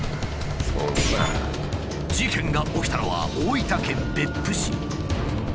事件が起きたのは大分県別府市。